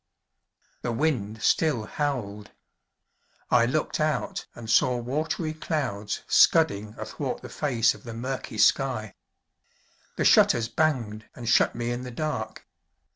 The wind still howled. I looked out and saw watery clouds scudding athwart the face of the murky sky. The shutters banged, and shut me in the dark.